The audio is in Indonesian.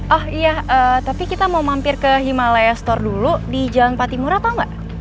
oh iya tapi kita mau mampir ke himalaya store dulu di jalan patimura atau enggak